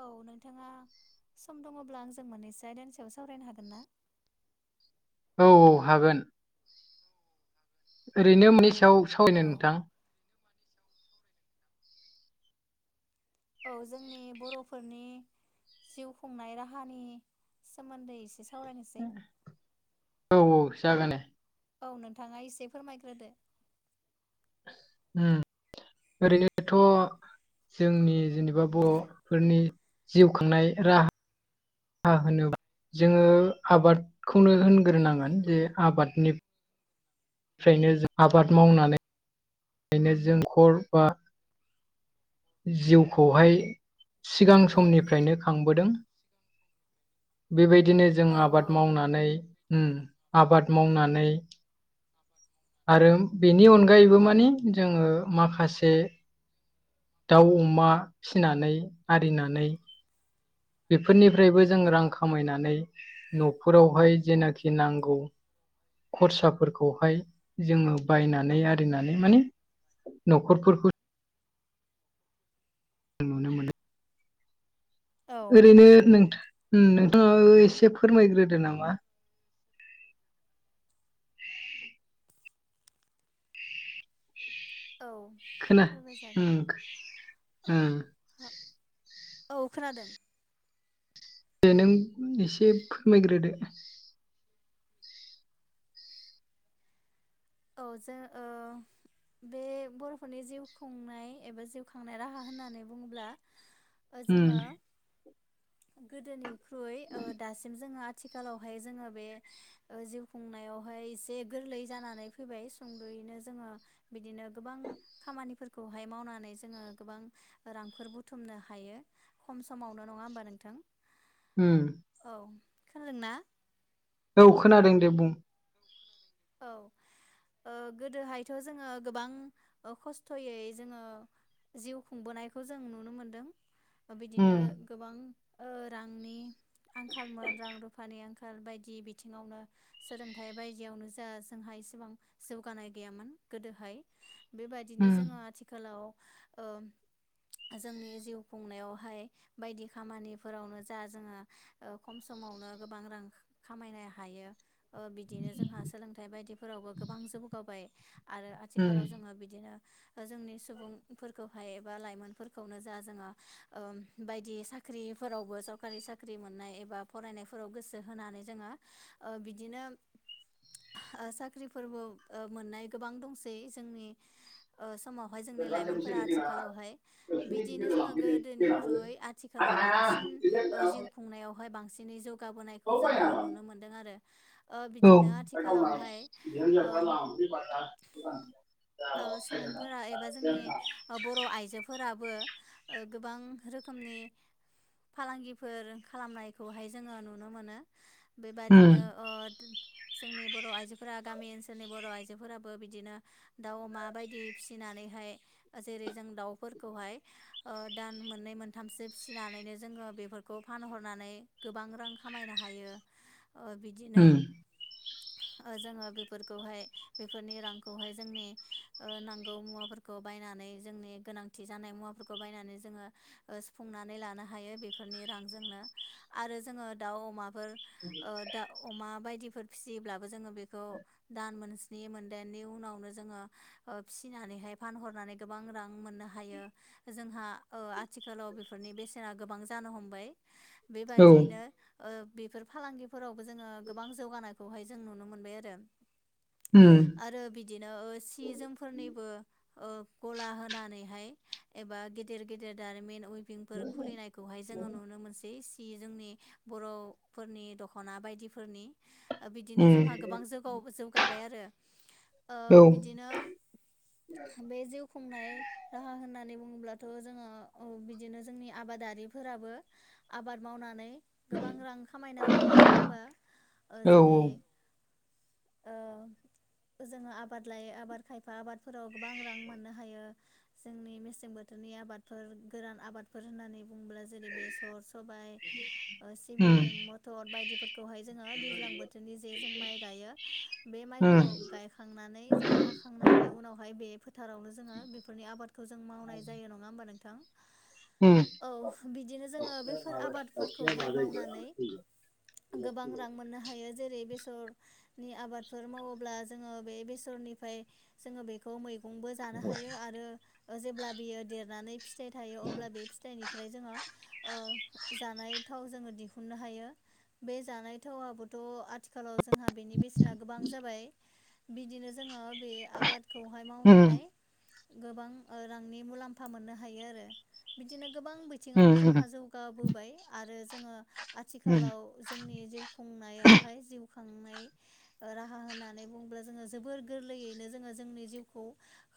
औ नोंथाङा सम दङब्ला आं जों मोननैसो आयदानि सायाव सावरायनो हागोन ना औ औ हागोन ओरैनो मानि सायाव औ सावरायनो नोंथां औ जोंनि बर'फोरनि जिउ खुंनाय राहानि सोमोन्दै एसे सावरायनोसै औ औ जागोन दे औ नोंथाङा एसे फोरमायग्रोदो उम ओरैनोथ' जोंनि जेनेबा बर'फोरनि जिउ खांनाय राहा हा होनोब्ला जोङो आबादखौनो होनग्रोनांगोन जे आबादनि ओफ्रायनो जों आबाद मावनानै नो जोंखर बा जिउखौहाय सिगां औ समनिफ्रायनो थांबोदों बेबायदिनो जों औ औ आबाद मावनानै आबाद मावनानै आरो बेनि अनगायैबो माने जोङो माखासे दाउ अमा फिसिनानै आरिनानै बेफोरनिफ्रायबो जों रां खामायनानै न'फोरावहाय जेनाखि नांगौ खरसाफोरखौहाय जोङो बायनानै आरिनानै माने न'खरफोरखौ जों नुनो मोनो ओरैनो नोंथाङाबो एसे फोरमायग्रोदो नामा औ खोना फोरमाय उम जागोन उम औ खोनादों दे नों एसे फोरमायग्रोदो औ जों बे बर'फोरनि जिउ खुंनाय एबा जिउ खांनाय राहा होननानै बुङोब्ला उम जोङो गोदोनिख्रुइ दासिम जोङो आथिखालावहाय जोङो बे ओ जिउ खुंनायावहाय एसे गोरलै जानानै फैबाय सुंद'यैनो जोङो बिदिनो गोबां खामानिफोरखौहाय मावनानै जोङो गोबां रांफोर बुथुमनो हायो खम समावनो नङा होमबा नोंथां उम औ खोनादोंना औ खोनादों दे बुं औ गोदोहायथ' जोङो गोबां खस्थ'यै जोङो जिउ खुंबोनायखौ जों नुनो मोनदों उम बिदिनो गोबां रांनि आंखालमोन रां रुफानि आंखाल बायदि बिथिङावनो सोलोंथाइ बायदियावनो जोंहा इसेबां जौगानाय गैयामोन गोदोहाय बेबायदिनो उम जोङो आथिखाल आथिखालाव जोंनि जिउ खुंनायावहाय बायदि खामानिफोरावनो जा जोङो खम समावनो गोबां रां खामायनो हायो बिदिनो जोंहा सोलोंथाइ बायदिफोरावबो गोबां जौगाबाय आरो उम आथिखालाव जोङो बिदिनो जोंनि सुबुंफोरखौहाय एबा लाइमोनफोरखौनो जा जोङो बायदि साख्रि साख्रिफोरावबो सरकारि साख्रि मोननाय एबा फरायनायफोराव गोसो होनानै जोङो बिदिनो साख्रिफोरबो मोननाय गोबां दंसै जोंनि समावहाय जोंनि लाइमोनफोरा आथिखालावहाय बिदिनो जोङो गोदोनिख्रुइ आ आथिखालाव बांसिन ओ जिउ खुंनायावहाय बांसिनै जौगाबोनायखौ जोङो नुनो मोनदों आरो ओ बिदिनो आथि [unintelligible] सुबुंफोरा एबा जोंनि बर' आइजोफोराबो ओ गोबां रोखोमनि फालांगिफोर खालामनायखौहाय जोङो नुनो मोनो उम बेबादिनो ओ जोंनि बर' आइजोफोरा गामि ओनसोलनि बर' आइजोफोराबो बिदिनो दाउ अमा बायदि फिसिनानैहाय जेरै जों दाउफोरखौहाय ओ दान मोननै मोनथामसो फिसिनानैनो जोङो बेफोरखौ फानहरनानै गोबां रां खामायनो हायो ओ बिदिनो उम ओ जोङो बेफोरखौहाय बेफोरनि रांखौहाय जोंनि ओ नांगौ मुवाफोरखौ बायनानै जोंनि गोनांथि जानाय मुवाफोरखौ बायनानै जोङो ओ सुफुंनानै लानो हायो बेफोरनि रांजोंनो आरो जोङो दाउ अमाफोर ओ दाउ अमा बायदिफोर फिसियोब्लाबो जोङो बेखौ दान मोनस्नि मोनदाइनि उनावनो जोङो ओ फिसिनानैहाय फानहरनानै गोबां रां मोननो हायो जोंहा ओ आथिखालाव बेफोरनि बेसेना गोबां जानो हमबाय औ बेबायदियैनो ओ बेफोर फालांगिफोरावबो जोङो गोबां जौगानाय खौहाय जों नुनो मोनबाय आरो होम आरो बिदिनो ओ सि जोमफोरनिबो ओ गला होनानैहाय एबा गेदेर गेदेर दारिमिन उइभिंफोर खुलिनायखौहाय जोङो नुनो मोनसै सि जोमनि बर'फोरनि दख'ना बायदिफोरनि बिदिनो उम जोंहा गोबां जौ औ जौगाबाय आरो औ बिदिनो बे जिउ खुंनाय राहा होननानै बुङोब्लाथ' जोङो ओ बिदिनो जोंनि आबादारिफोराबो आबाद मावनानै गोबां रां खामायनो हायो नङा होमबा ओ औ जेरै ओ जोंहा आबाद लायै आबाद खायफा आबाद फोराव गोबां रां मोननो हायो। जोंनि मेसें बोथोरनि आबादफोर गोरान आबादफोर होननानै बुङोब्ला जेरै बेसर सबाइ ओ उम सिबिं मथर बायदिफोरखौहाय जोङो दैज्लां बोथोर [unintelligible] जे जों माइ गायो बे उम माइखौ गायखांनानै जोङो हाखांनायनि उनावहाय बे फोथारावनो जोङो बेफोरनि आबादखौ जों मावनाय जायो नङा होनबा नोंथां उम औ बिदिनो जोङो बैफोर आबादफोरखौहाय मावनानै गोबां रां मोननो हायो जेरै बेसर नि आबादफोर मावोब्ला जोङो बे बेसरनिफ्राय जोङो बेखौ मैगंबो जानो हायो आरो जेब्ला बियो देरनानै फिथाइ थायो अब्ला बे फिथाइनिफ्राय जोङो ओ जानाय थाव जोङो दिहु खुंनो हायो बे जानाय थावाबोथ' आथि आथिखालाव जोंहा बेनि बेसेना गोबां जाबाय बिदिनो जोङो बे आबाद खौहाय उम मावनानै गोबां रांनि मुलाम्फा मोननो हायो आरो बिदिनो गोबां उम बिथिङावनो उम जोंहा जौ गाबोबाय आरो जोङो उम आथिखालाव जोंनि जिउ खुं नायावहाय जिउ खांनाय ओ राहा होननानै बुङोब्ला जोङो जोबोर गोरलैयैनो जोङो जोंनि जिउखौ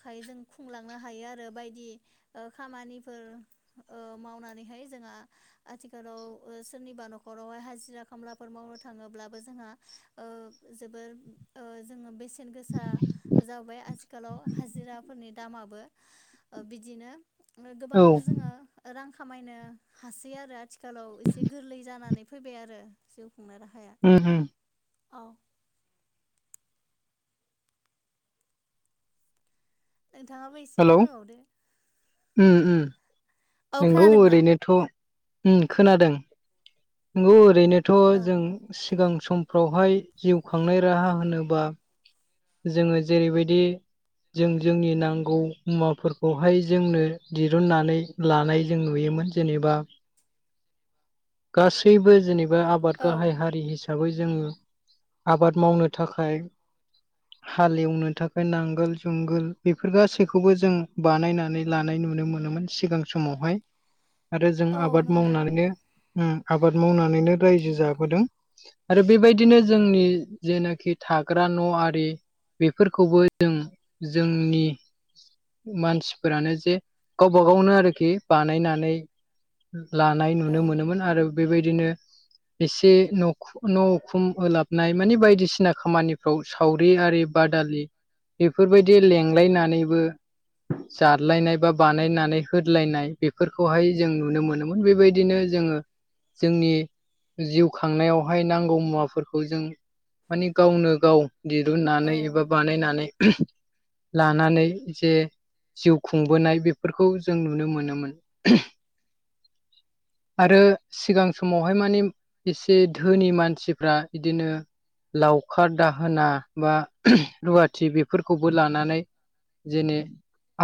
खाय जों खुंलांनो हायो आरो बायदि ओ खामानिफोर ओ मावनानैहाय जोंहा आथिखालाव ओ सोरनिबा न'खरावहाय हाजिरा खामलाफोर मावो थाङोब्लाबो जोंहा ओ जोबोर ओ जोङो बेसे बेसेन गोसा जाबाय आजिखालाव हाजिराफोरनि दामाबो ओ बिदिनो गोबां औ जोङो रां खामायनो हासै आरो आथिखालाव एसे गोरलै जानानै फैबाय आरो खुंनाय राहाया उम उम। औ। नोंथाङाबो एसे हेलौ उम फोरमायबावदो। उम औ नोंगौ खोनादोंना? ओरैनोथ' उम खोनादों। नंगौ ओरैनोथ' औ जों औ सिगां समफ्रावहाय जिउ खांनाय राहा होनोब्ला जोङो जेरैबायदि जों जोंनि नांगौ मुवाफोरखौहाय जोंनो दिरुननानै लानाय जों नुयोमोन जेनेबा गासैबो जेनेबा आबाद औ गाहाय हारि हिसाबै हिसाबै जोङो आबाद मावनो थाखाय हालेवनो थाखाय नांगोल जुंगोल बेफोर गासैखौबो जों बानायनानै लानाय नुनो मोनोमोन। सिगां समावहाय आरो जों औ आबाद नंगौ मावनानैनो उम आबाद मावनानैनो रायजो जाबोदों। आरो बेबायदिनो जोंनि जेनाखि थाग्रा न' आरि बेफोरखौबो जों जोंनि मानसिफोरानो जे गावबा गावनो आरोखि बानायनानै लानाय औ नुनो मोनोमोन आरो बेबायदिनो एसे न'ख न' खुम ओलाबनाय मानि बायदिसिना खामानिफ्राव सावरि आरि बादालि बेफोरबायदि लेंलायनानैबो जादलायनाय बा बानायनानै होदलायनाय बेफोरखौहाय जों नुनो मोनोमोन बेबायदिनो जोङो जोंनि जिउ खांनायावहाय नांगौ मुवाफोरखौ जों माने गावनो गाव औ दिरुननानै एबा बानायनानै लानानै जे जिउ खुंबोनाय बेफोरखौ जों नुनो मोनोमोन उमह। आरो सिगां समावहाय माने एसे धोनि मानसिफ्रा इदिनो लावखार दाहोना बा रुवाथि बेफोरखौबो लानानै जेने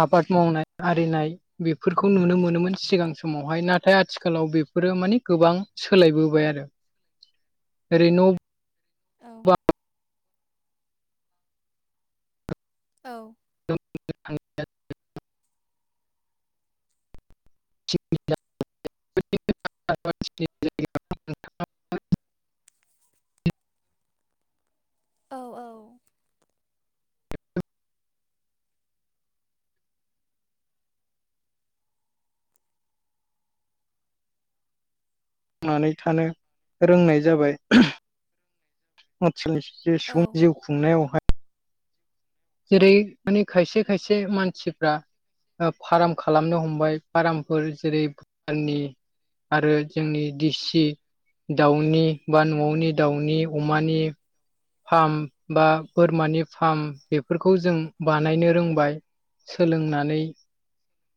आबाद मावनाय आरिनाय बेफोरखौ नुनो मोनोमोन सिगां समावहाय नाथाय आथिखालाव बेफोरो मानि गोबां सोलायबोबाय आरो ओरै न' औ। औ। [inaudible] [inaudible] औ औ। नानै थानो रोंनाय जाबाय उमह। [unintelligible] सुबुं जिउ औ खुंनायावहाय जेरै माने खायसे खायसे मानसिफ्रा ओ फार्म खालामनो हमबाय फार्मफोर जेरै भुटाननि आरो जोंनि दिसि दाउनि बा न'आवनि दाउनि अमानि फार्म बा बोरमानि फार्म बेफोरखौ जों बानायनो रोंबाय। सोलोंनानै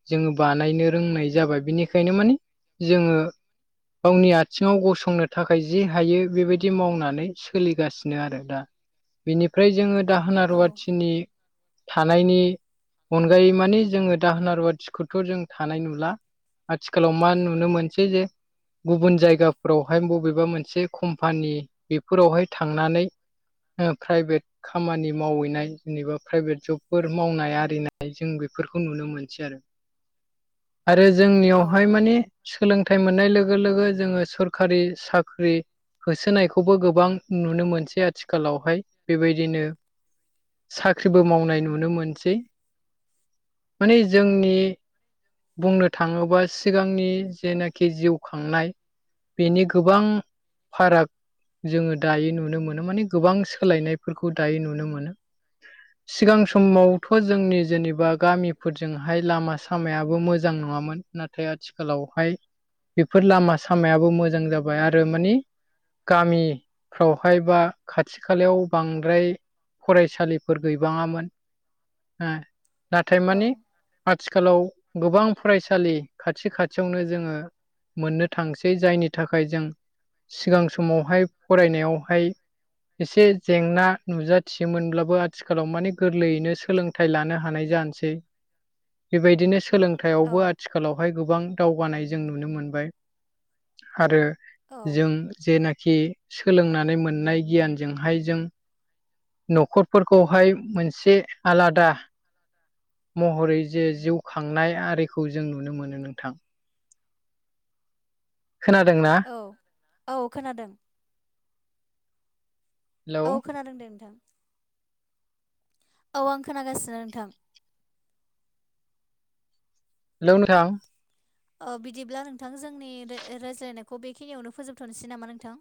जोङो बानायनो रोंनाय जाबाय बिनिखायनो माने जोङो गावनि आथिङाव गसंनो थाखाय जि हायो बेबायदि मावनानै सोलिगासिनो। नो आरो दा बिनिफ्राय जोङो दाहोना रुवाथिनि थानायनि अनगायै आथिखालाव मा नुनो मोनसै जे गुबुन जायगाफोरावहाय बबेबा मोनसे कम्पानि बेफोरावहाय थांनानै प्राइभेट खामानि मावहैनाय जेनेबा प्राइभेट जबफोर मावनाय आरिनाय जों बेफोरखौ नुनो मोनसै आरो आरो औ जोंनियावहाय माने सोलोंथाइ मोननाय लोगो लोगो जोंङो सरखारि साख्रि होसोनायखौबो गोबां नुनो मोनसै आरो आथिखालावहाय बेबायदिनो साख्रिबो मावनाय नुनो मोनसै माने जोंनि बुंनो थांङोबा सिगांनि जेनाखि जिउ खांनाय बेनि गोबां फाराग जोंङो दायो नुनो मोनो माने गोबां सोलायनायफोरखौ दायो नुनो मोनो सिगां समावथ' जोंनि जेनेबा गामिफोरजोंहाय लामा सामायाबो मोजां नङामोन नाथाय आथिखालावहाय बेफोर लामा सामायाबो मोजां जाबाय आरो मानिे गामि फावहाय बा खाथि खालायाव बांद्राय फरायसालिफोर गैबाङामोन नाथाय मानि औ आथिखालाव गोबां फरायसालि खाथि खाथियावनो जोंङो मोननो थांसै जायनि थाखाय जों सिगां समावहाय फरायनायावहाय एसे जेंना नुजाथियोमोनब्लाबो आथिखालाव माने गोरलैयैनो सोलों फोथाय लानो हानाय जानोसै बेबायदिनो सोलों औ फथायावबो आथिखालावहाय गोबां दावगानाय जों नुनो मोनबाय आरो औ। जों जेनाखि सोलोंनानै मोननाय गियानजोंहाय जों न'खरफोरखौहाय मोनसे आलादा महरै जे जिउ खांनाय आरिखौ जों नुनो मोनो नोंथां खोनादों ना औ औ खोनादों हेलौ औ खोनादों दे नोंथां औ आं खोनागासिनो नोंथां हेलौ नोंथां बिदिब्ला नोंथां जोंनि रायज्लायनायखौ बेखिनियावनो फोजोबथ'नोसै नामा नोंथां